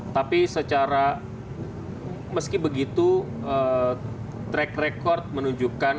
tapi secara meski begitu track record menunjukkan